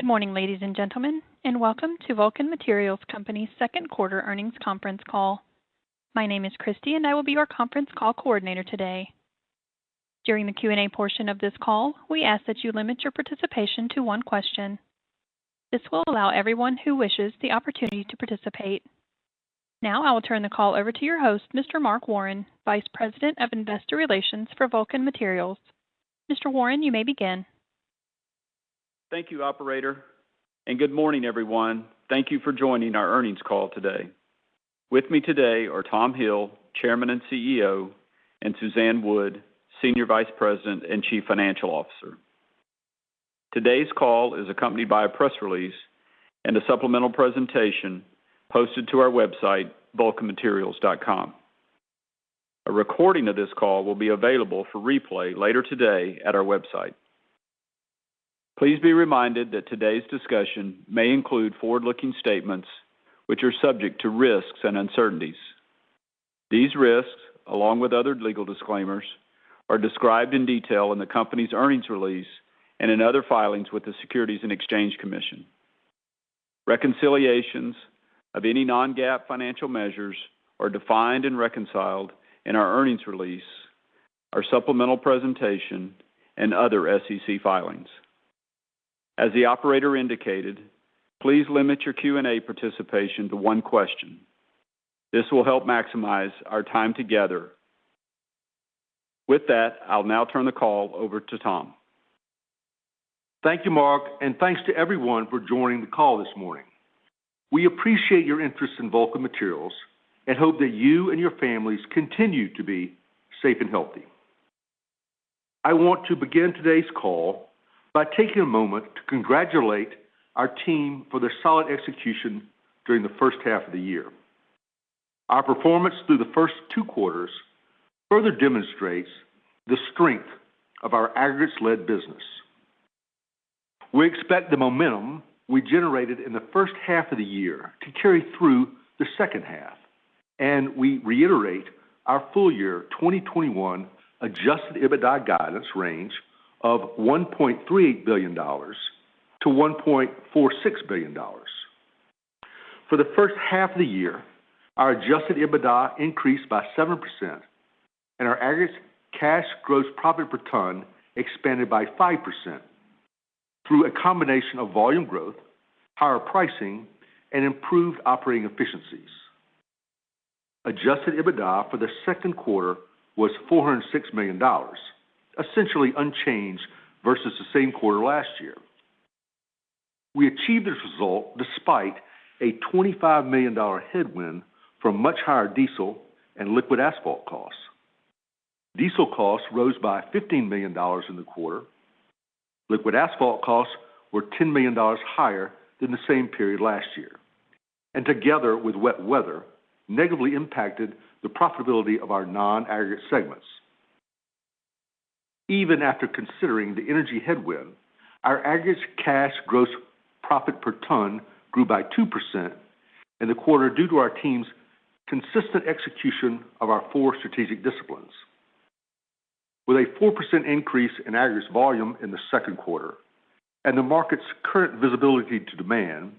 Good morning, ladies and gentlemen, and welcome to Vulcan Materials Company's Q2 earnings conference call. My name is Christy, and I will be your conference call coordinator today. During the Q&A portion of this call, we ask that you limit your participation to one question. This will allow everyone who wishes the opportunity to participate. I will turn the call over to your host, Mr. Mark Warren, Vice President of Investor Relations for Vulcan Materials. Mr. Warren, you may begin. Thank you, operator, and good morning, everyone. Thank you for joining our earnings call today. With me today are Tom Hill, Chairman and CEO, and Suzanne Wood, Senior Vice President and Chief Financial Officer. Today's call is accompanied by a press release and a supplemental presentation posted to our website, vulcanmaterials.com. A recording of this call will be available for replay later today at our website. Please be reminded that today's discussion may include forward-looking statements which are subject to risks and uncertainties. These risks, along with other legal disclaimers, are described in detail in the company's earnings release and in other filings with the Securities and Exchange Commission. Reconciliations of any non-GAAP financial measures are defined and reconciled in our earnings release, our supplemental presentation, and other SEC filings. As the operator indicated, please limit your Q&A participation to one question. This will help maximize our time together. With that, I'll now turn the call over to Tom. Thank you, Mark. Thanks to everyone for joining the call this morning. We appreciate your interest in Vulcan Materials and hope that you and your families continue to be safe and healthy. I want to begin today's call by taking a moment to congratulate our team for their solid execution during the H1 of the year. Our performance through the first two quarters further demonstrates the strength of our aggregates-led business. We expect the momentum we generated in the H1 of the year to carry through the H2, and we reiterate our full year 2021 adjusted EBITDA guidance range of $1.3 billion-$1.46 billion. For the H1 of the year, our adjusted EBITDA increased by 7%, and our aggregates cash gross profit per ton expanded by 5% through a combination of volume growth, higher pricing, and improved operating efficiencies. Adjusted EBITDA for the Q2 was $406 million, essentially unchanged versus the same quarter last year. We achieved this result despite a $25 million headwind from much higher diesel and liquid asphalt costs. Diesel costs rose by $15 million in the quarter. Liquid asphalt costs were $10 million higher than the same period last year, and together with wet weather, negatively impacted the profitability of our non-aggregate segments. Even after considering the energy headwind, our aggregates cash gross profit per ton grew by 2% in the quarter due to our team's consistent execution of our four strategic disciplines. With a 4% increase in aggregates volume in the Q2, and the market's current visibility to demand,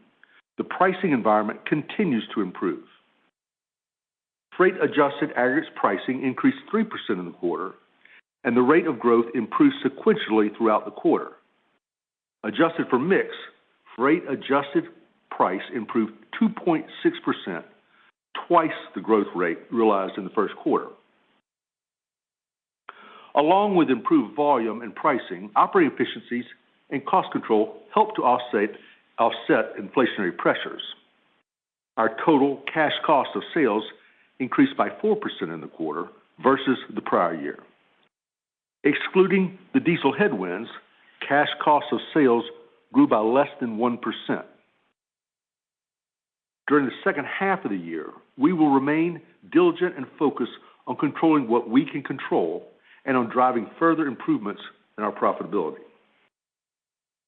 the pricing environment continues to improve. Freight-adjusted aggregates pricing increased 3% in the quarter, and the rate of growth improved sequentially throughout the quarter. Adjusted for mix, freight adjusted price improved 2.6%, twice the growth rate realized in the Q1. Along with improved volume and pricing, operating efficiencies and cost control helped to offset inflationary pressures. Our total cash cost of sales increased by 4% in the quarter versus the prior year. Excluding the diesel headwinds, cash cost of sales grew by less than 1%. During the H2 of the year, we will remain diligent and focused on controlling what we can control and on driving further improvements in our profitability.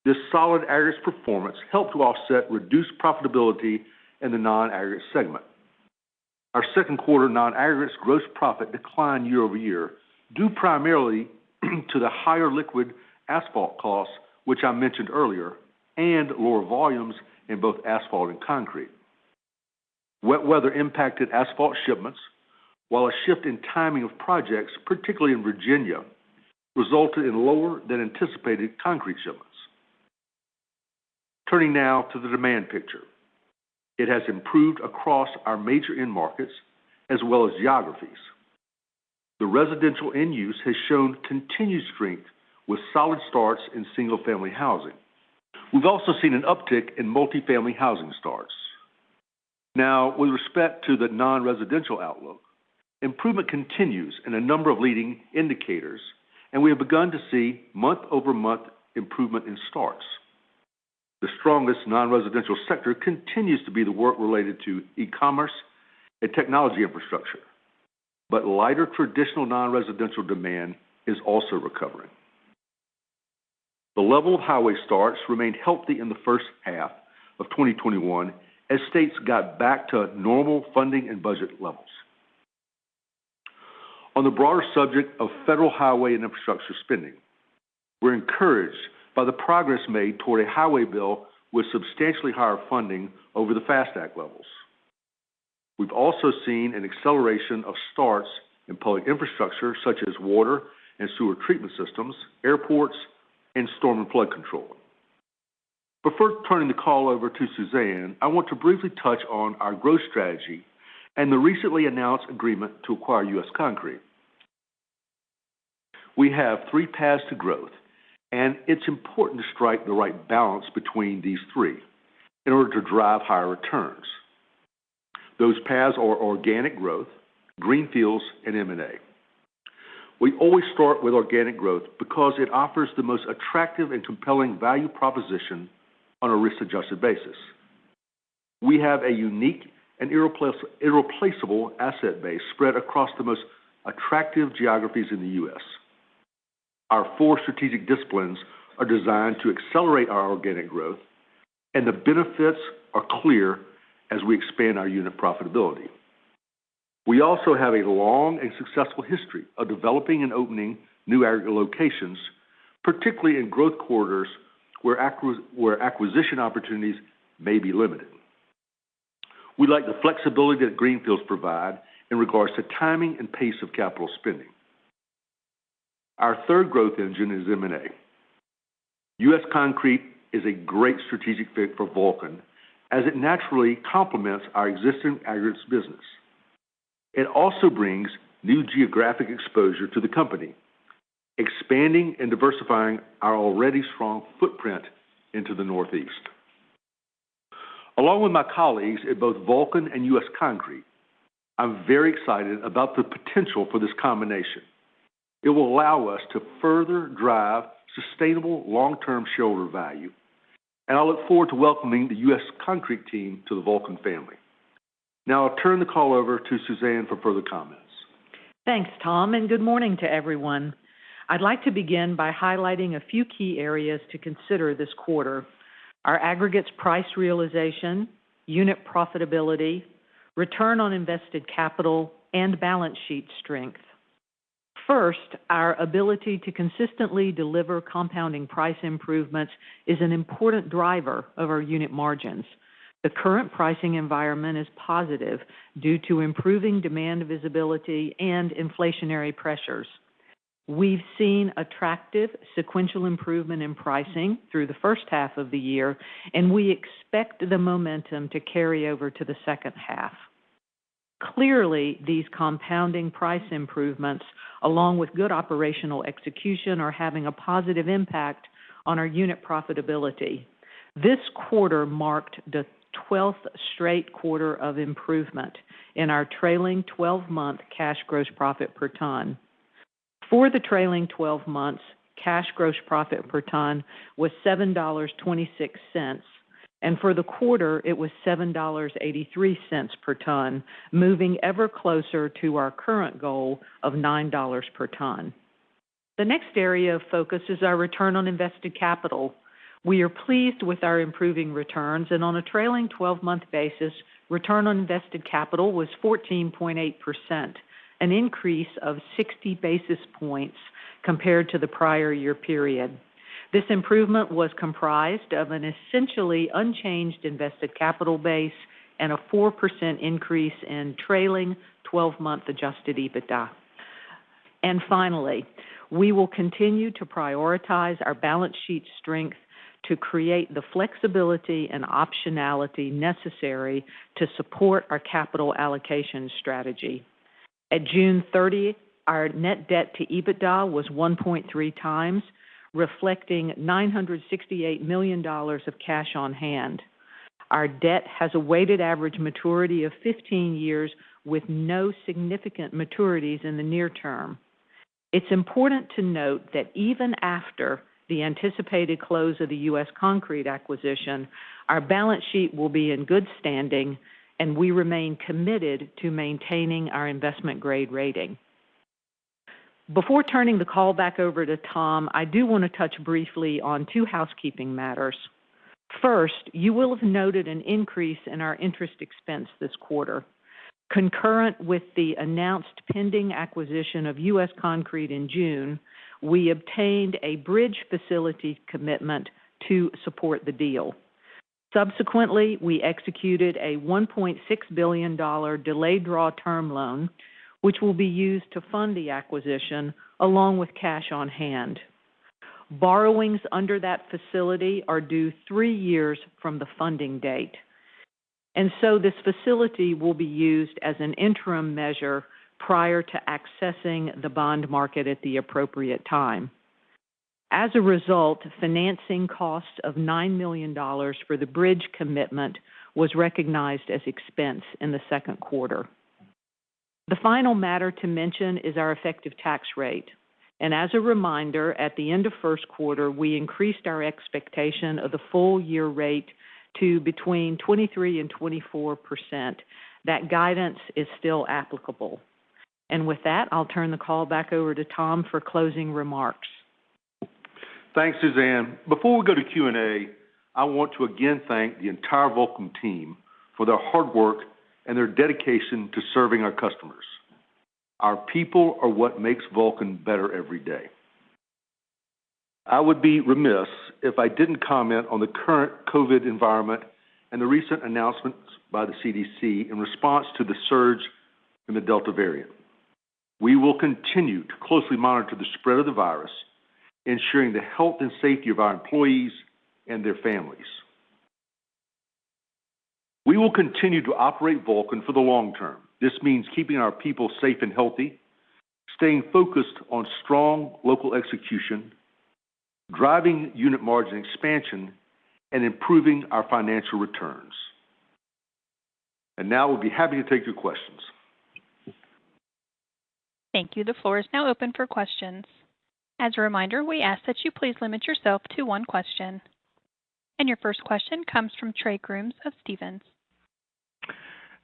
This solid aggregates performance helped to offset reduced profitability in the non-aggregate segment. Our Q2 non-aggregates gross profit declined year-over-year, due primarily to the higher liquid asphalt costs, which I mentioned earlier, and lower volumes in both asphalt and concrete. Wet weather impacted asphalt shipments, while a shift in timing of projects, particularly in Virginia, resulted in lower than anticipated concrete shipments. Turning now to the demand picture. It has improved across our major end markets as well as geographies. The residential end use has shown continued strength with solid starts in single-family housing. We've also seen an uptick in multi-family housing starts. Now, with respect to the non-residential outlook, improvement continues in a number of leading indicators, and we have begun to see month-over-month improvement in starts. The strongest non-residential sector continues to be the work related to e-commerce and technology infrastructure, but lighter traditional non-residential demand is also recovering. The level of highway starts remained healthy in the H1 of 2021 as states got back to normal funding and budget levels. On the broader subject of federal highway and infrastructure spending, we're encouraged by the progress made toward a highway bill with substantially higher funding over the FAST Act levels. We've also seen an acceleration of starts in public infrastructure such as water and sewer treatment systems, airports, and storm and flood control. Before turning the call over to Suzanne, I want to briefly touch on our growth strategy and the recently announced agreement to acquire U.S. Concrete. We have three paths to growth, and it's important to strike the right balance between these three in order to drive higher returns. Those paths are organic growth, greenfields, and M&A. We always start with organic growth because it offers the most attractive and compelling value proposition on a risk-adjusted basis. We have a unique and irreplaceable asset base spread across the most attractive geographies in the U.S. Our four strategic disciplines are designed to accelerate our organic growth, and the benefits are clear as we expand our unit profitability. We also have a long and successful history of developing and opening new area locations, particularly in growth corridors where acquisition opportunities may be limited. We like the flexibility that greenfields provide in regards to timing and pace of capital spending. Our third growth engine is M&A. U.S. Concrete is a great strategic fit for Vulcan as it naturally complements our existing aggregates business. It also brings new geographic exposure to the company, expanding and diversifying our already strong footprint into the Northeast. Along with my colleagues at both Vulcan and U.S. Concrete, I'm very excited about the potential for this combination. It will allow us to further drive sustainable long-term shareholder value, and I look forward to welcoming the U.S. Concrete team to the Vulcan family. Now I'll turn the call over to Suzanne for further comments. Thanks, Tom, and good morning to everyone. I'd like to begin by highlighting a few key areas to consider this quarter. Our aggregates price realization, unit profitability, return on invested capital, and balance sheet strength. First, our ability to consistently deliver compounding price improvements is an important driver of our unit margins. The current pricing environment is positive due to improving demand visibility and inflationary pressures. We've seen attractive sequential improvement in pricing through the H1 of the year, and we expect the momentum to carry over to the H2. Clearly, these compounding price improvements, along with good operational execution, are having a positive impact on our unit profitability. This quarter marked the twelfth straight quarter of improvement in our trailing 12-month cash gross profit per ton. For the trailing 12 months, cash gross profit per ton was $7.26, and for the quarter, it was $7.83 per ton, moving ever closer to our current goal of $9 per ton. The next area of focus is our return on invested capital. We are pleased with our improving returns, and on a trailing 12-month basis, return on invested capital was 14.8%, an increase of 60 basis points compared to the prior year period. This improvement was comprised of an essentially unchanged invested capital base and a 4% increase in trailing 12-month adjusted EBITDA. Finally, we will continue to prioritize our balance sheet strength to create the flexibility and optionality necessary to support our capital allocation strategy. At June 30th, our net debt to EBITDA was 1.3 times, reflecting $968 million of cash on hand. Our debt has a weighted average maturity of 15 years, with no significant maturities in the near term. It's important to note that even after the anticipated close of the U.S. Concrete acquisition, our balance sheet will be in good standing. We remain committed to maintaining our investment-grade rating. Before turning the call back over to Tom, I do want to touch briefly on two housekeeping matters. First, you will have noted an increase in our interest expense this quarter. Concurrent with the announced pending acquisition of U.S. Concrete in June, we obtained a bridge facility commitment to support the deal. Subsequently, we executed a $1.6 billion delayed draw term loan, which will be used to fund the acquisition along with cash on hand. Borrowings under that facility are due three years from the funding date. This facility will be used as an interim measure prior to accessing the bond market at the appropriate time. As a result, financing costs of $9 million for the bridge commitment was recognized as expense in the Q2. The final matter to mention is our effective tax rate. As a reminder, at the end of the Q1, we increased our expectation of the full year rate to between 23% and 24%. That guidance is still applicable. With that, I'll turn the call back over to Tom for closing remarks. Thanks, Suzanne. Before we go to Q&A, I want to again thank the entire Vulcan team for their hard work and their dedication to serving our customers. Our people are what makes Vulcan better every day. I would be remiss if I didn't comment on the current COVID environment and the recent announcements by the CDC in response to the surge in the Delta variant. We will continue to closely monitor the spread of the virus, ensuring the health and safety of our employees and their families. We will continue to operate Vulcan for the long term. This means keeping our people safe and healthy, staying focused on strong local execution, driving unit margin expansion, and improving our financial returns. Now we'll be happy to take your questions. Thank you. The floor is now open for questions. As a reminder, we ask that you please limit yourself to one question. Your first question comes from Trey Grooms of Stephens.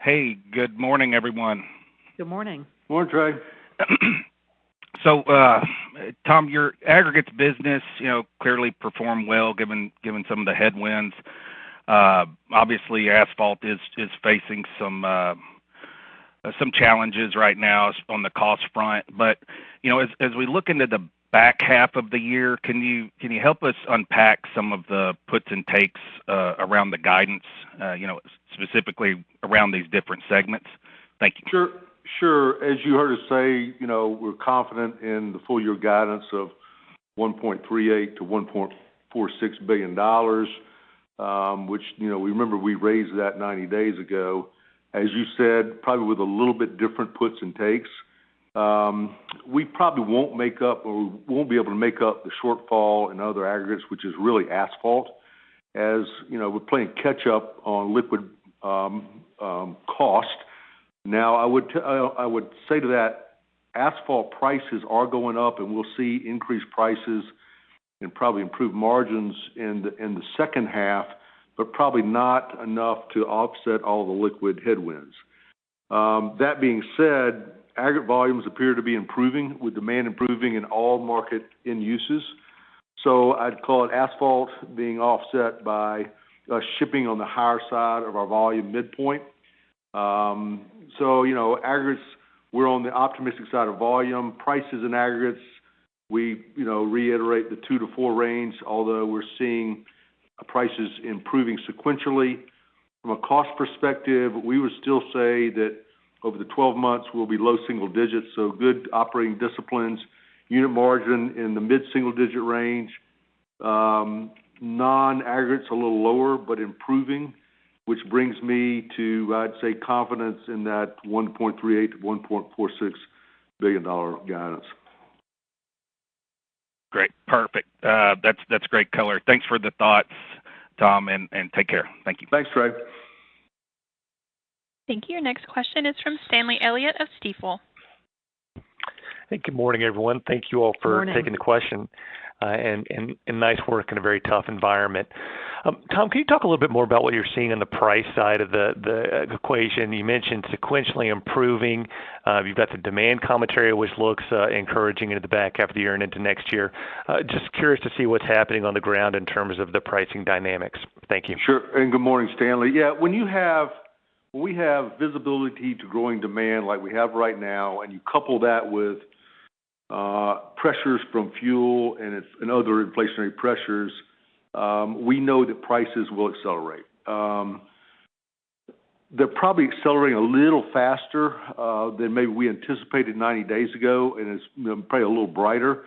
Hey, good morning, everyone. Good morning. Good morning, Trey. Tom, your aggregates business clearly performed well, given some of the headwinds. Obviously, asphalt is facing some challenges right now on the cost front. As we look into the back half of the year, can you help us unpack some of the puts and takes around the guidance, specifically around these different segments? Thank you. Sure. Sure. As you heard us say, we're confident in the full-year guidance of $1.38 billion-$1.46 billion, which, remember, we raised that 90 days ago, as you said, probably with a little bit different puts and takes. We probably won't be able to make up the shortfall in other aggregates, which is really asphalt, as we're playing catch up on liquid cost. Now, I would say to that, asphalt prices are going up, and we'll see increased prices and probably improved margins in the H2, but probably not enough to offset all the liquid headwinds. That being said, aggregate volumes appear to be improving, with demand improving in all market end uses. I'd call it asphalt being offset by shipping on the higher side of our volume midpoint. Aggregates, we're on the optimistic side of volume. Prices and aggregates, we reiterate the two to four range, although we're seeing prices improving sequentially. From a cost perspective, we would still say that over the 12 months, we'll be low single digits, so good operating disciplines, unit margin in the mid-single-digit range. Non-aggregates, a little lower, but improving, which brings me to, I'd say, confidence in that $1.38 billion-$1.46 billion guidance. Great. Perfect. That's great color. Thanks for the thoughts, Tom, and take care. Thank you. Thanks, Trey. Thank you. Your next question is from Stanley Elliott of Stifel. Hey, good morning, everyone. Thank you all. Morning taking the question, and nice work in a very tough environment. Tom, can you talk a little bit more about what you're seeing on the price side of the equation? You mentioned sequentially improving. You've got the demand commentary, which looks encouraging into the back half of the year and into next year. I'm just curious to see what's happening on the ground in terms of the pricing dynamics. Thank you. Sure, good morning, Stanley. Yeah, when we have visibility to growing demand like we have right now, and you couple that with pressures from fuel and other inflationary pressures, we know that prices will accelerate. They're probably accelerating a little faster than maybe we anticipated 90 days ago, and it's probably a little brighter.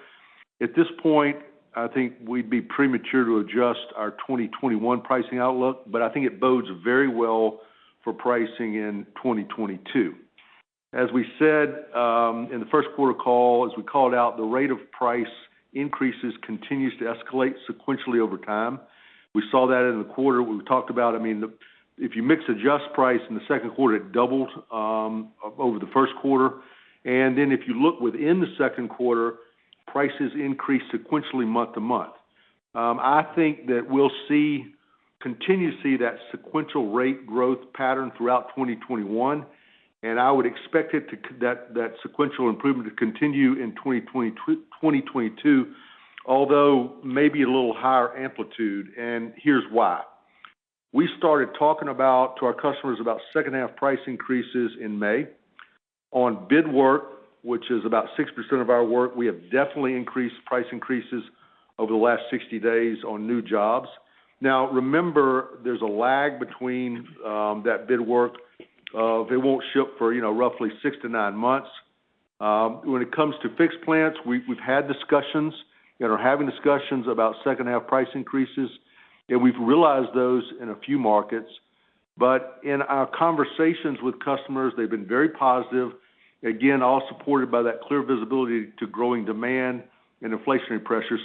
At this point, I think we'd be premature to adjust our 2021 pricing outlook, but I think it bodes very well for pricing in 2022. As we said in the Q1 call, as we called out, the rate of price increases continues to escalate sequentially over time. We saw that in the quarter. We talked about, if you mix adjust price in the Q2, it doubled over the Q1. If you look within the Q2, prices increased sequentially month-to-month. I think that we'll continue to see that sequential rate growth pattern throughout 2021, and I would expect that sequential improvement to continue in 2022, although maybe a little higher amplitude. Here's why. We started talking to our customers about H2 price increases in May. On bid work, which is about 6% of our work, we have definitely increased price increases over the last 60 days on new jobs. Remember, there's a lag between that bid work. It won't ship for roughly six to nine months. When it comes to fixed plants, we've had discussions and are having discussions about H2 price increases, and we've realized those in a few markets. In our conversations with customers, they've been very positive, again, all supported by that clear visibility to growing demand and inflationary pressure.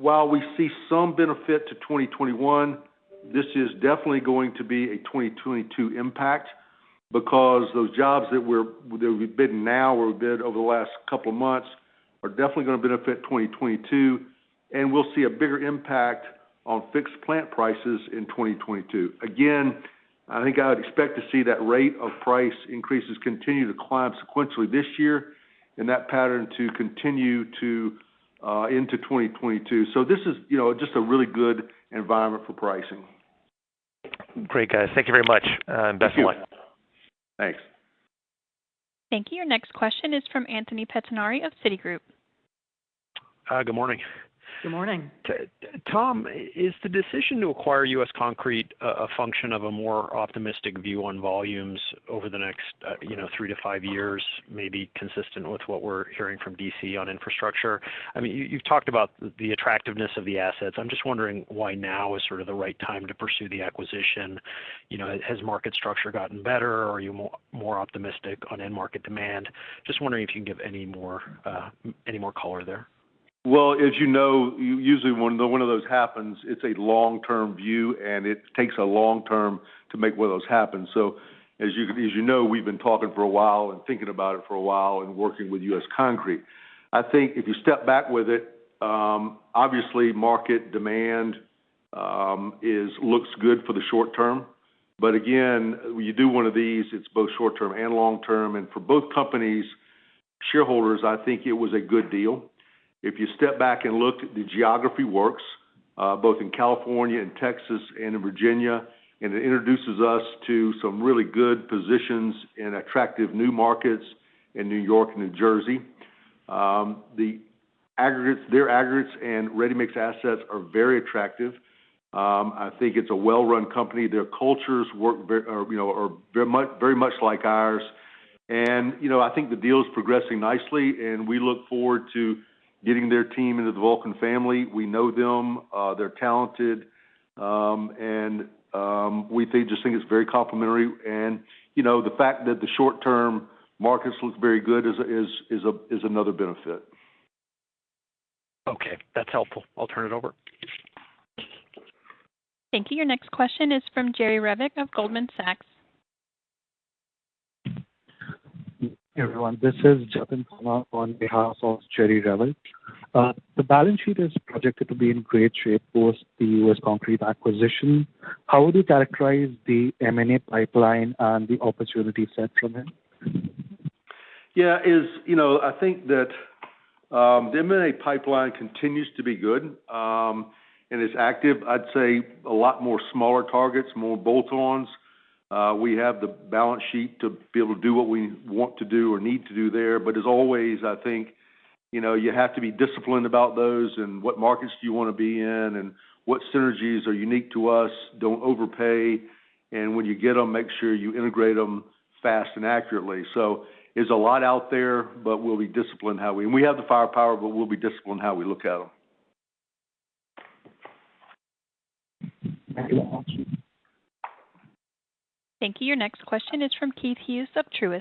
While we see some benefit to 2021, this is definitely going to be a 2022 impact because those jobs that we've bid now or we bid over the last two months are definitely going to benefit 2022. We'll see a bigger impact on fixed plant prices in 2022. Again, I think I would expect to see that rate of price increases continue to climb sequentially this year, and that pattern to continue into 2022. This is just a really good environment for pricing. Great, guys. Thank you very much, and best of luck. Thank you. Thanks. Thank you. Your next question is from Anthony Pettinari of Citigroup. Good morning. Good morning. Tom, is the decision to acquire U.S. Concrete a function of a more optimistic view on volumes over the next three to five years, maybe consistent with what we're hearing from D.C. on infrastructure? You've talked about the attractiveness of the assets. I'm just wondering why now is sort of the right time to pursue the acquisition. Has market structure gotten better? Are you more optimistic on end market demand? Just wondering if you can give any more color there. Well, as you know, usually when one of those happens, it's a long-term view, and it takes a long-term to make one of those happen. As you know, we've been talking for a while and thinking about it for a while and working with U.S. Concrete. I think if you step back with it, obviously market demand looks good for the short term. Again, when you do one of these, it's both short term and long term. For both companies' shareholders, I think it was a good deal. If you step back and look, the geography works, both in California and Texas and in Virginia, and it introduces us to some really good positions in attractive new markets in New York and New Jersey. Their aggregates and ready-mix assets are very attractive. I think it's a well-run company. Their cultures are very much like ours. I think the deal is progressing nicely, and we look forward to getting their team into the Vulcan family. We know them. They're talented. We just think it's very complimentary. The fact that the short-term markets look very good is another benefit. Okay. That's helpful. I'll turn it over. Thank you. Your next question is from Jerry Revich of Goldman Sachs. Everyone, this is Jatin Khanna on behalf of Jerry Revich. The balance sheet is projected to be in great shape post the U.S. Concrete acquisition. How would you characterize the M&A pipeline and the opportunity set from it? Yeah. I think that the M&A pipeline continues to be good. It's active. I'd say a lot more smaller targets, more bolt-ons. We have the balance sheet to be able to do what we want to do or need to do there. As always, I think, you have to be disciplined about those and what markets do you want to be in, and what synergies are unique to us, don't overpay, and when you get them, make sure you integrate them fast and accurately. There's a lot out there. We have the firepower, but we'll be disciplined how we look at them. Thank you. Thank you. Your next question is from Keith Hughes of Truist.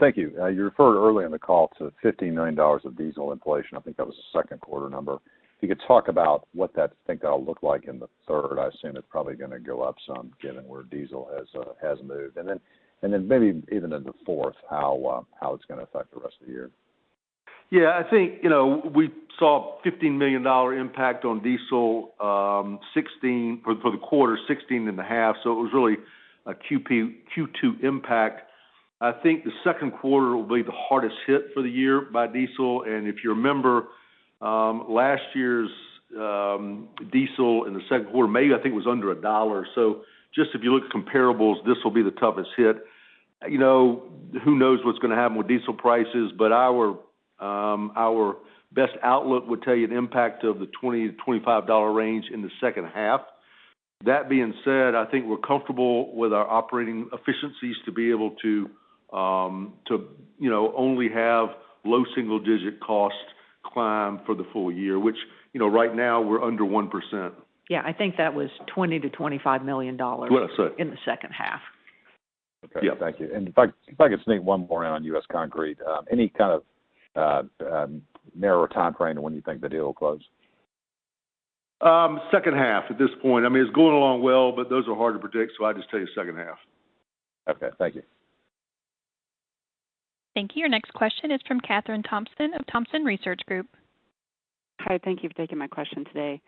Thank you. You referred early in the call to $15 million of diesel inflation. I think that was the Q2 number. If you could talk about what that'll look like in the third. I assume it's probably going to go up some, given where diesel has moved. Then maybe even in the fourth, how it's going to affect the rest of the year. Yeah, I think, we saw a $15 million impact on diesel, $16 for the quarter, 16 and a half, so it was really a Q2 impact. I think the Q2 will be the hardest hit for the year by diesel. If you remember, last year's diesel in the Q2, maybe I think it was under a dollar. Just if you look at comparables, this will be the toughest hit. Who knows what's going to happen with diesel prices, but our best outlook would tell you an impact of the $20-$25 range in the H2. That being said, I think we're comfortable with our operating efficiencies to be able to only have low single-digit cost climb for the full year, which right now we're under 1%. Yeah, I think that was $20 million-$25 million. That's what I said in the H2. Okay. Thank you. If I could sneak one more in on U.S. Concrete. Any kind of narrower timeframe to when you think the deal will close? H2 at this point. It's going along well, but those are hard to predict, so I'd just tell you H2. Okay. Thank you. Thank you. Your next question is from Kathryn Thompson of Thompson Research Group. Hi. Thank you for taking my question today.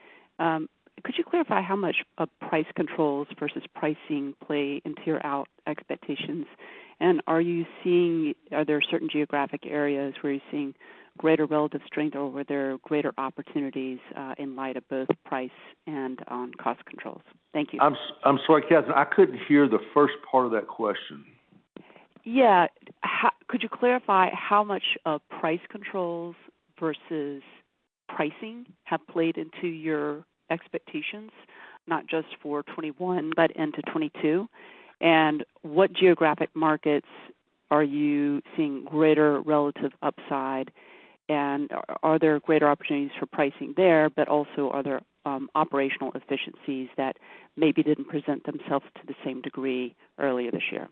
Could you clarify how much of price controls versus pricing play into your outlook expectations? Are there certain geographic areas where you're seeing greater relative strength or where there are greater opportunities, in light of both price and cost controls? Thank you. I'm sorry, Kathryn, I couldn't hear the first part of that question. Yeah. Could you clarify how much of price controls versus pricing have played into your expectations, not just for 2021, but into 2022? What geographic markets are you seeing greater relative upside, and are there greater opportunities for pricing there, but also, are there operational efficiencies that maybe didn't present themselves to the same degree earlier this year?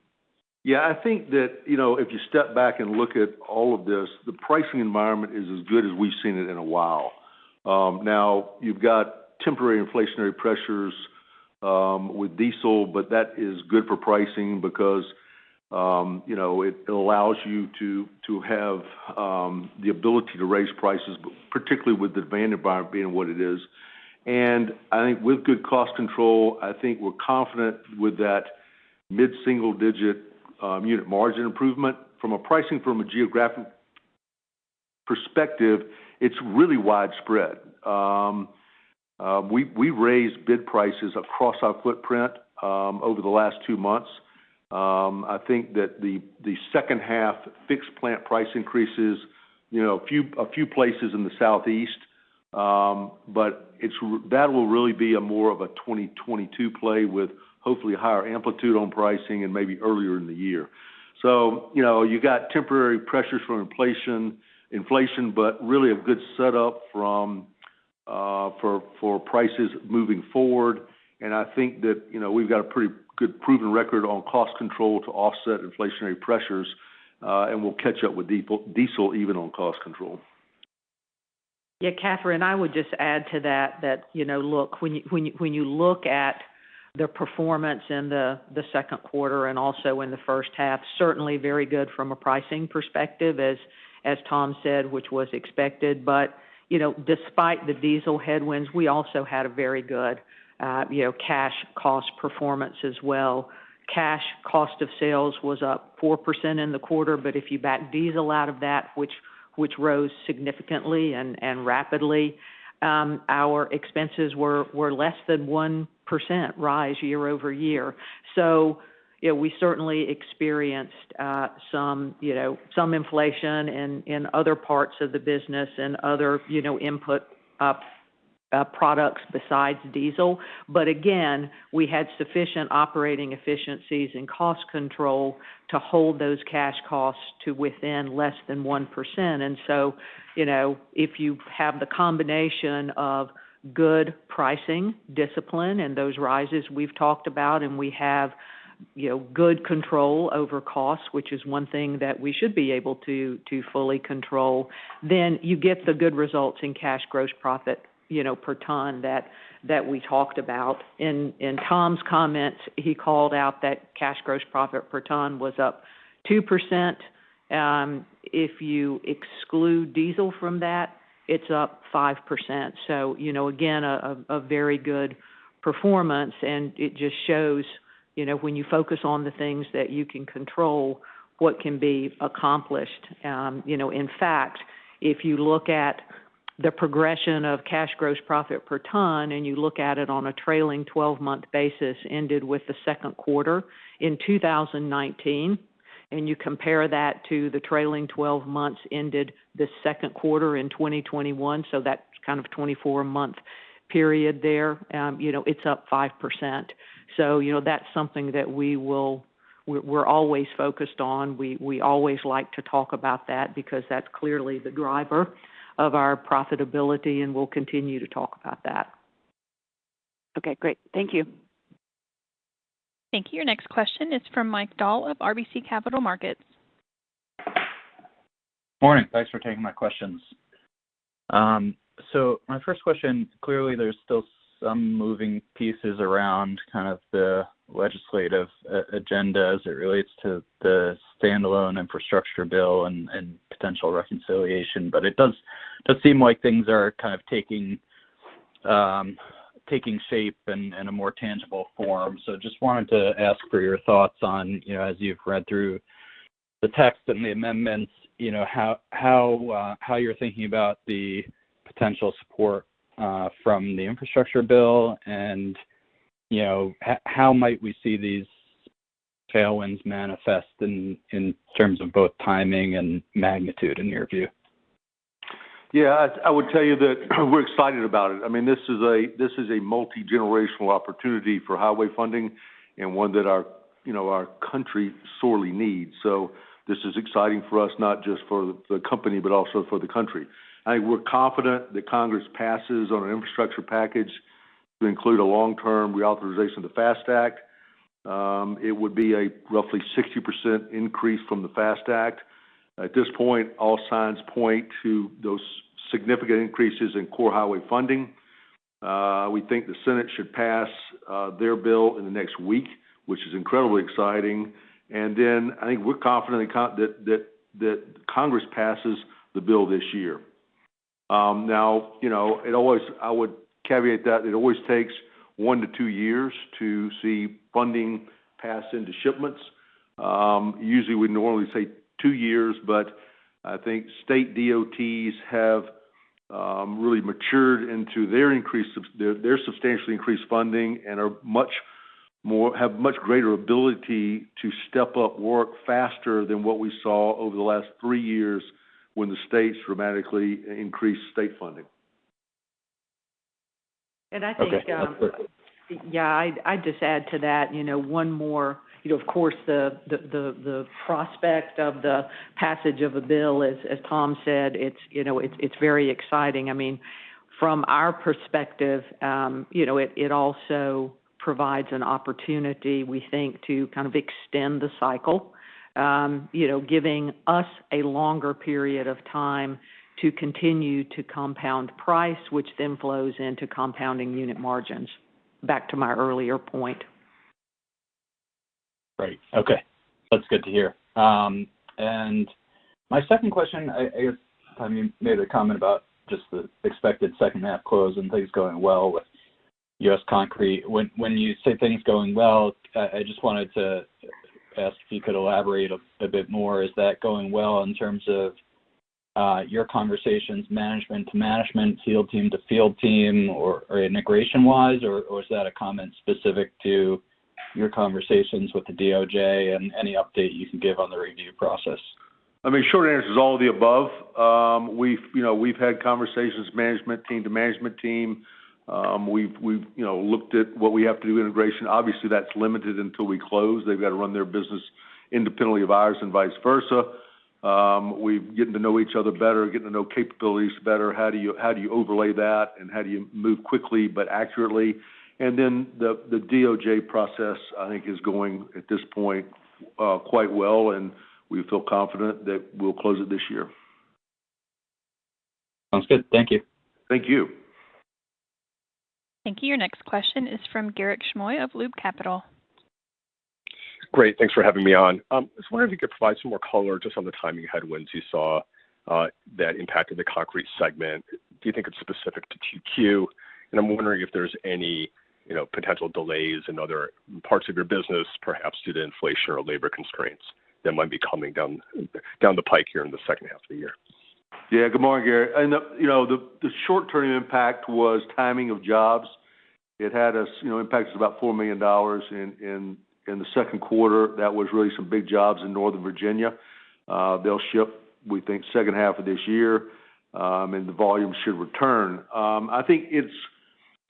Yeah, I think that, if you step back and look at all of this, the pricing environment is as good as we've seen it in a while. You've got temporary inflationary pressures with diesel, but that is good for pricing because it allows you to have the ability to raise prices, particularly with the demand environment being what it is. I think with good cost control, I think we're confident with that mid-single-digit unit margin improvement. From a pricing, from a geographic perspective, it's really widespread. We raised bid prices across our footprint over the last two months. I think that the H2 fixed plant price increases a few places in the Southeast, but that will really be a more of a 2022 play with hopefully higher amplitude on pricing and maybe earlier in the year. You got temporary pressures from inflation, but really a good setup for prices moving forward. I think that we've got a pretty good proven record on cost control to offset inflationary pressures, and we'll catch up with diesel even on cost control. Kathryn, I would just add to that, when you look at the performance in the Q2 and also in the H1, certainly very good from a pricing perspective, as Tom said, which was expected. Despite the diesel headwinds, we also had a very good cash cost performance as well. Cash cost of sales was up 4% in the quarter, if you back diesel out of that, which rose significantly and rapidly, our expenses were less than 1% rise year-over-year. We certainly experienced some inflation in other parts of the business and other input products besides diesel. Again, we had sufficient operating efficiencies and cost control to hold those cash costs to within less than 1%. If you have the combination of good pricing discipline and those rises we've talked about, and we have good control over costs, which is one thing that we should be able to fully control, you get the good results in cash gross profit per ton that we talked about. In Tom's comments, he called out that cash gross profit per ton was up 2%. If you exclude diesel from that, it's up 5%. Again, a very good performance, and it just shows when you focus on the things that you can control, what can be accomplished. In fact, if you look at the progression of cash gross profit per ton, and you look at it on a trailing 12-month basis ended with the Q2 in 2019, and you compare that to the trailing 12 months ended this Q2 in 2021, so that kind of 24-month period there, it's up 5%. That's something that we're always focused on. We always like to talk about that because that's clearly the driver of our profitability, and we'll continue to talk about that. Okay, great. Thank you. Thank you. Your next question is from Mike Dahl of RBC Capital Markets. Morning. Thanks for taking my questions. My first question, clearly, there's still some moving pieces around kind of the legislative agenda as it relates to the standalone infrastructure bill and potential reconciliation, but it does seem like things are kind of taking shape in a more tangible form. Just wanted to ask for your thoughts on, as you've read through the text and the amendments, how you're thinking about the potential support from the infrastructure bill, and how might we see these tailwinds manifest in terms of both timing and magnitude in your view? Yeah, I would tell you that we're excited about it. This is a multi-generational opportunity for highway funding and one that our country sorely needs. This is exciting for us, not just for the company, but also for the country. I think we're confident that Congress passes on an infrastructure package to include a long-term reauthorization of the FAST Act. It would be a roughly 60% increase from the FAST Act. At this point, all signs point to those significant increases in core highway funding. We think the Senate should pass their bill in the next week, which is incredibly exciting. I think we're confident that Congress passes the bill this year. Now, I would caveat that it always takes one to two years to see funding pass into shipments. Usually, we normally say two years, but I think state DOTs have really matured into their substantially increased funding and have much greater ability to step up work faster than what we saw over the last three years when the states dramatically increased state funding. And I think- Okay yeah, I'd just add to that one more. Of course, the prospect of the passage of a bill, as Tom said, it's very exciting. From our perspective, it also provides an opportunity, we think, to kind of extend the cycle, giving us a longer period of time to continue to compound price, which then flows into compounding unit margins. Back to my earlier point. Right. Okay. That's good to hear. My second question, I guess, Tom, you made a comment about just the expected H2 close and things going well with U.S. Concrete. When you say things going well, I just wanted to ask if you could elaborate a bit more. Is that going well in terms of your conversations, management to management, field team to field team, or integration wise, or is that a comment specific to your conversations with the DOJ and any update you can give on the review process? The short answer is all the above. We've had conversations, management team to management team. We've looked at what we have to do integration. Obviously, that's limited until we close. They've got to run their business independently of ours and vice versa. We're getting to know each other better, getting to know capabilities better. How do you overlay that and how do you move quickly but accurately? The DOJ process, I think, is going, at this point, quite well, and we feel confident that we'll close it this year. Sounds good. Thank you. Thank you. Thank you. Your next question is from Garik Shmois of Loop Capital. Great. Thanks for having me on. I was wondering if you could provide some more color just on the timing headwinds you saw that impacted the concrete segment. Do you think it's specific to 2Q? I'm wondering if there's any potential delays in other parts of your business, perhaps due to inflation or labor constraints that might be coming down the pike here in the H2 of the year. Yeah. Good morning, Garik. The short-term impact was timing of jobs. It impacted us about $4 million in the Q2. That was really some big jobs in Northern Virginia. They'll ship, we think, H2 of this year. The volume should return. I think it's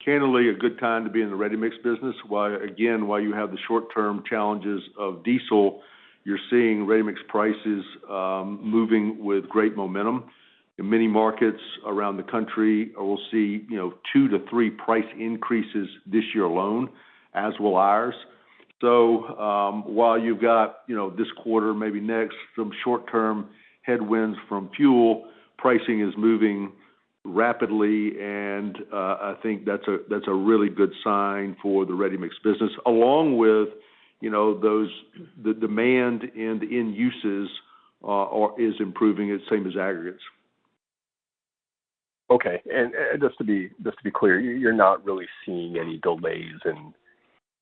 candidly a good time to be in the ready-mix business. While, again, while you have the short-term challenges of diesel, you're seeing ready-mix prices moving with great momentum. In many markets around the country, we'll see two to three price increases this year alone, as will ours. While you've got this quarter, maybe next, some short-term headwinds from fuel, pricing is moving rapidly. I think that's a really good sign for the ready-mix business. Along with the demand and the end uses is improving, same as aggregates. Okay. Just to be clear, you're not really seeing any delays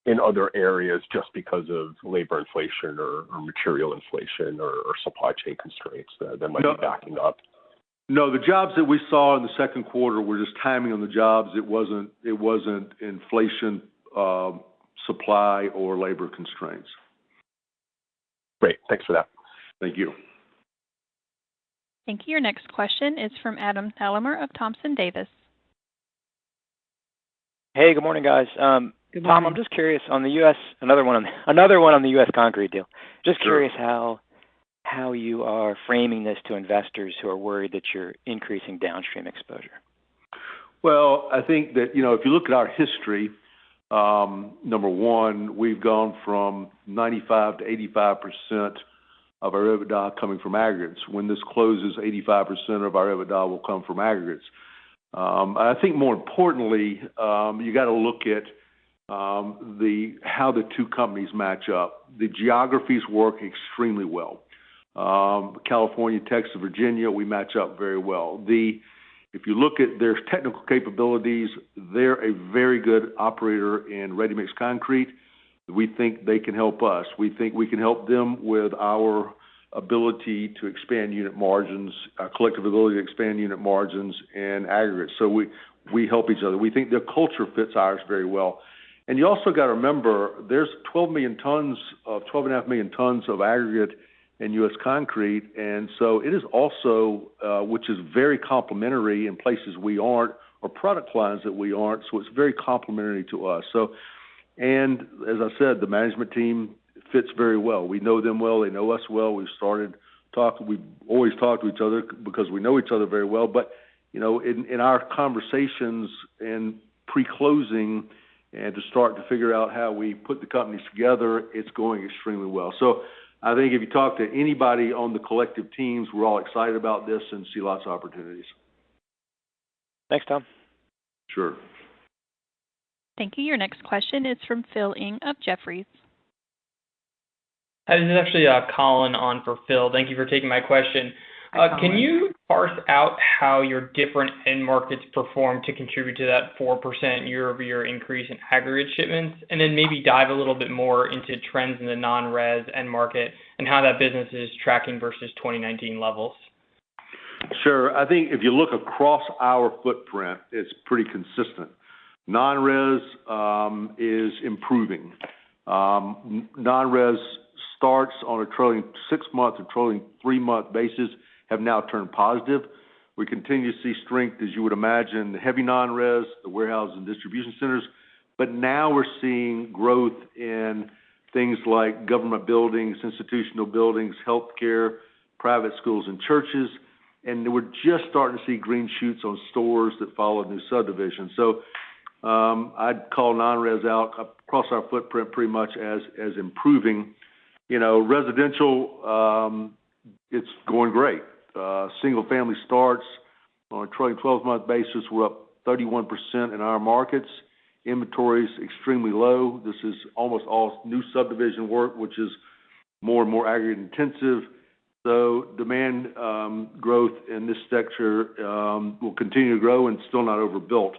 in other areas just because of labor inflation or material inflation or supply chain constraints that might be backing up? No. The jobs that we saw in the Q2 were just timing on the jobs. It wasn't inflation, supply, or labor constraints. Great. Thanks for that. Thank you. Thank you. Your next question is from Adam Thalhimer of Thompson Davis. Hey, good morning, guys. Good morning. Tom, I'm just curious on the U.S., another one on the U.S. Concrete deal. Sure. Just curious how you are framing this to investors who are worried that you're increasing downstream exposure? Well, I think that, if you look at our history, number one, we've gone from 95%-85% of our EBITDA coming from aggregates. When this closes, 85% of our EBITDA will come from aggregates. I think more importantly, you got to look at how the two companies match up. The geographies work extremely well. California, Texas, Virginia, we match up very well. If you look at their technical capabilities, they're a very good operator in ready-mix concrete. We think they can help us. We think we can help them with our ability to expand unit margins, collective ability to expand unit margins and aggregates. We help each other. We think their culture fits ours very well. You also got to remember, there's 12.5 million tons of aggregate in U.S. Concrete, and so it is also, which is very complementary in places we aren't, or product lines that we aren't, so it's very complementary to us. As I said, the management team fits very well. We know them well. They know us well. We've always talked to each other because we know each other very well. In our conversations in pre-closing and to start to figure out how we put the companies together, it's going extremely well. I think if you talk to anybody on the collective teams, we're all excited about this and see lots of opportunities. Thanks, Tom. Sure. Thank you. Your next question is from Phil Ng of Jefferies. Hi, this is actually Colin on for Phil. Thank you for taking my question. Hi, Colin. Can you parse out how your different end markets performed to contribute to that 4% year-over-year increase in aggregate shipments? Maybe dive a little bit more into trends in the non-res end market and how that business is tracking versus 2019 levels. Sure. I think if you look across our footprint, it's pretty consistent. Non-res is improving. Non-res starts on a trailing six-month to trailing three-month basis have now turned positive. Now we're seeing growth in things like government buildings, institutional buildings, healthcare, private schools, and churches. We're just starting to see green shoots on stores that follow new subdivisions. I'd call non-res out across our footprint pretty much as improving. Residential, it's going great. Single-family starts, on a trailing 12-month basis, we're up 31% in our markets. Inventory is extremely low. This is almost all new subdivision work, which is more and more aggregate intensive. Demand growth in this sector will continue to grow and still not overbuilt.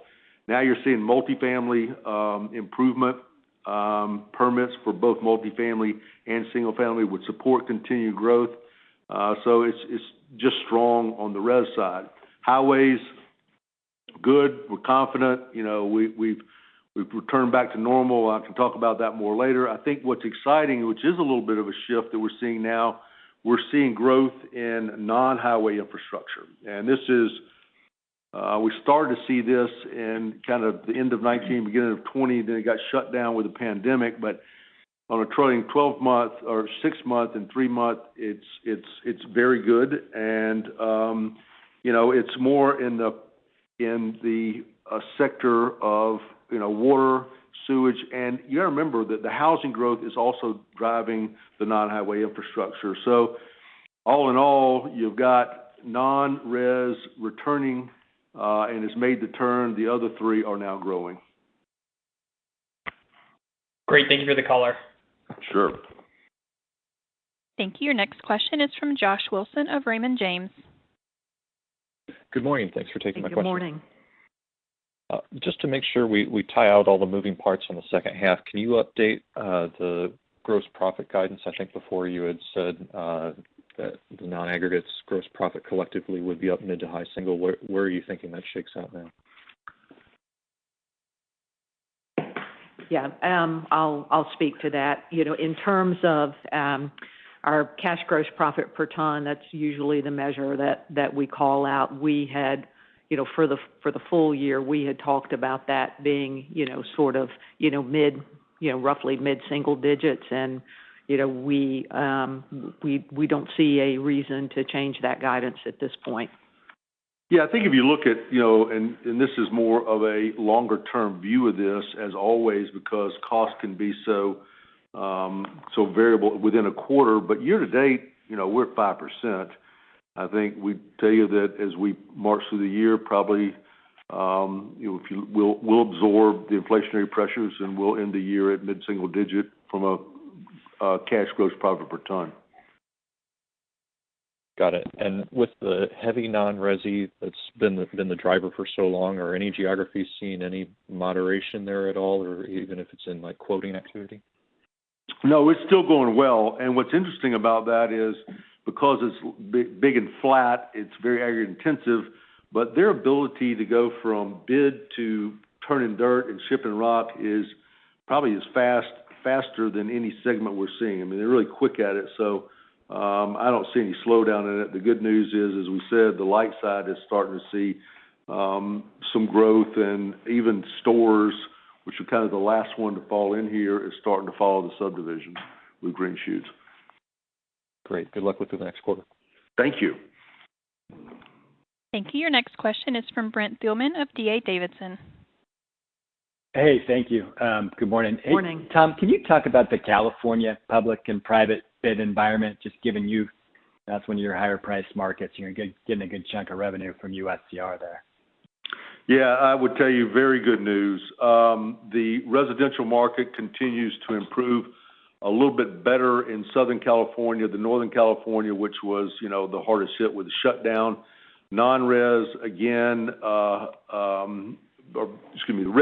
Now you're seeing multifamily improvement. Permits for both multifamily and single family would support continued growth. It's just strong on the res side. Highways, good. We're confident. We've returned back to normal. I can talk about that more later. I think what's exciting, which is a little bit of a shift that we're seeing now, we're seeing growth in non-highway infrastructure. We started to see this in kind of the end of 2019, beginning of 2020, then it got shut down with the pandemic. On a trailing 12-month or six-month and three-month, it's very good. It's more in the sector of water, sewage, and you got to remember that the housing growth is also driving the non-highway infrastructure. All in all, you've got non-res returning, and it's made the turn. The other three are now growing. Great. Thank you for the color. Sure. Thank you. Your next question is from Josh Wilson of Raymond James. Good morning. Thanks for taking my question. Good morning. Just to make sure we tie out all the moving parts on the H2, can you update the gross profit guidance? I think before you had said that the non-aggregates gross profit collectively would be up mid to high single. Where are you thinking that shakes out now? Yeah. I'll speak to that. In terms of our cash gross profit per ton, that's usually the measure that we call out. For the full year, we had talked about that being roughly mid-single digits. We don't see a reason to change that guidance at this point. I think if you look at, and this is more of a longer-term view of this, as always, because costs can be so variable within a quarter. Year to date, we're at 5%. I think we'd tell you that as we march through the year, probably we'll absorb the inflationary pressures, and we'll end the year at mid-single digit from a cash gross profit per ton. Got it. With the heavy non-resi that's been the driver for so long, are any geographies seeing any moderation there at all, or even if it's in quoting activity? No, it's still going well, and what's interesting about that is because it's big and flat, it's very aggregate intensive. Their ability to go from bid to turning dirt and shipping rock is probably faster than any segment we're seeing. I mean, they're really quick at it. I don't see any slowdown in it. The good news is, as we said, the light side is starting to see some growth and even stores, which are kind of the last one to fall in here, is starting to follow the subdivisions with green shoots. Great. Good luck with the next quarter. Thank you. Thank you. Your next question is from Brent Thielman of D.A. Davidson. Hey, thank you. Good morning. Morning. Hey, Tom, can you talk about the California public and private bid environment, just given that's one of your higher priced markets, and you're getting a good chunk of revenue from USCR there? Yeah, I would tell you very good news. The residential market continues to improve a little bit better in Southern California than Northern California, which was the hardest hit with the shutdown. Res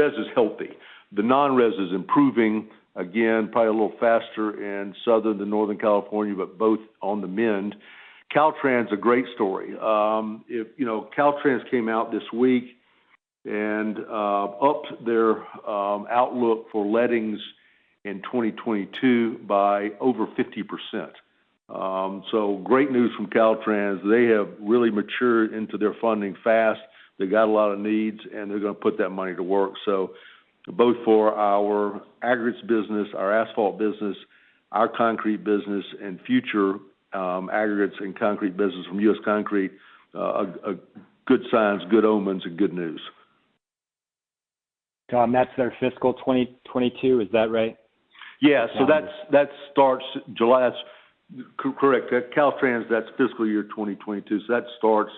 is healthy. The non-res is improving, again, probably a little faster in Southern than Northern California, both on the mend. Caltrans is a great story. Caltrans came out this week upped their outlook for lettings in 2022 by over 50%. Great news from Caltrans. They have really matured into their funding fast. They got a lot of needs, they're going to put that money to work. Both for our aggregates business, our asphalt business, our concrete business, and future aggregates and concrete business from U.S. Concrete, good signs, good omens, and good news. Tom, that's their fiscal 2022, is that right? Yeah. Correct. Caltrans, that's fiscal year 2022. That starts,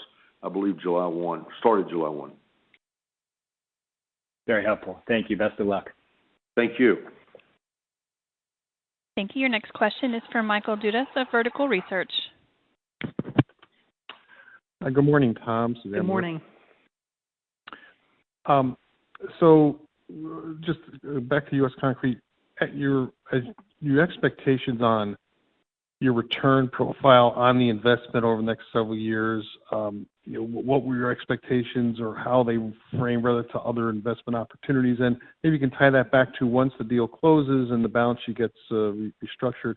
I believe, July 1st. Started July 1st. Very helpful. Thank you. Best of luck. Thank you. Thank you. Your next question is from Michael Dudas of Vertical Research. Good morning, Tom. Good morning. Just back to U.S. Concrete. Your expectations on your return profile on the investment over the next several years, what were your expectations or how they frame relative to other investment opportunities? Maybe you can tie that back to once the deal closes and the balance sheet gets restructured,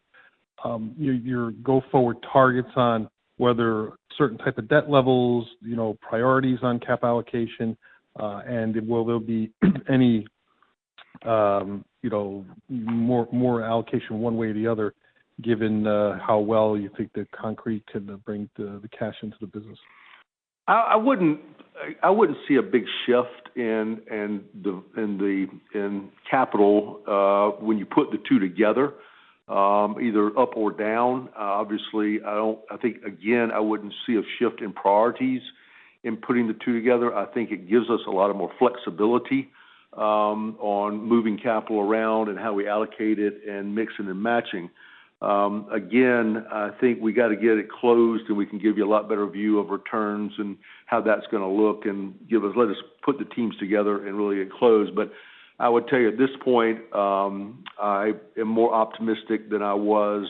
your go-forward targets on whether certain type of debt levels, priorities on cap allocation, and will there be any more allocation one way or the other, given how well you think that concrete can bring the cash into the business? I wouldn't see a big shift in capital when you put the two together, either up or down. Obviously, I think, again, I wouldn't see a shift in priorities in putting the two together. I think it gives us a lot more flexibility on moving capital around and how we allocate it and mixing and matching. Again, I think we got to get it closed, and we can give you a lot better view of returns and how that's going to look and let us put the teams together and really get closed. I would tell you at this point, I am more optimistic than I was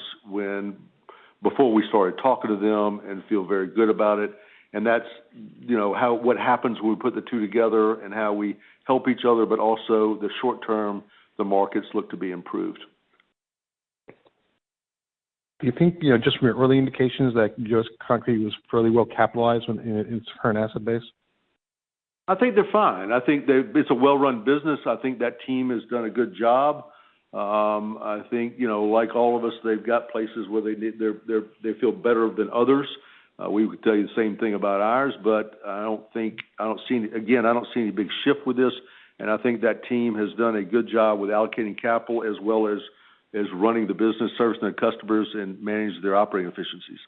before we started talking to them and feel very good about it. That's what happens when we put the two together and how we help each other, but also the short term, the markets look to be improved. Do you think, just from your early indications, that U.S. Concrete was fairly well capitalized in its current asset base? I think they're fine. I think it's a well-run business. I think that team has done a good job. I think, like all of us, they've got places where they feel better than others. We would tell you the same thing about ours, but again, I don't see any big shift with this, and I think that team has done a good job with allocating capital as well as running the business, servicing their customers, and managing their operating efficiencies.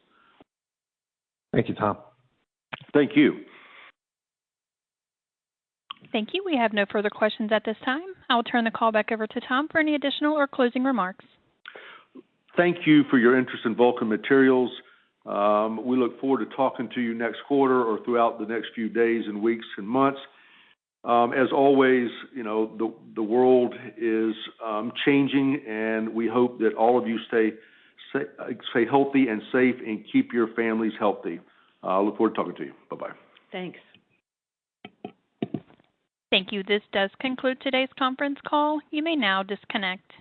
Thank you, Tom. Thank you. Thank you. We have no further questions at this time. I will turn the call back over to Tom for any additional or closing remarks. Thank you for your interest in Vulcan Materials. We look forward to talking to you next quarter or throughout the next few days and weeks and months. As always, the world is changing, and we hope that all of you stay healthy and safe and keep your families healthy. I look forward to talking to you. Bye-bye. Thanks. Thank you. This does conclude today's conference call. You may now disconnect.